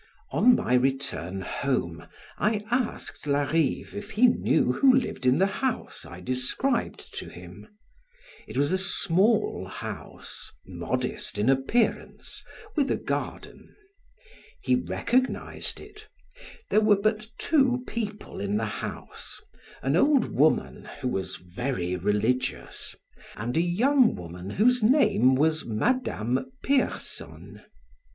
On my return home, I asked Larive if he knew who lived in the house I described to him; it was a small house, modest in appearance, with a garden. He recognized it; there were but two people in the house, an old woman who was very religious, and a young woman whose name was Madame Pierson.